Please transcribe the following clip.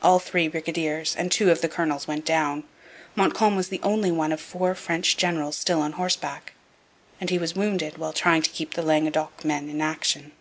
All three brigadiers and two of the colonels went down. Montcalm was the only one of four French generals still on horseback; and he was wounded while trying to keep the Languedoc men in action.